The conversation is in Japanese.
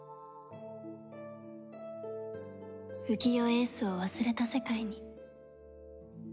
浮世英寿を忘れた世界に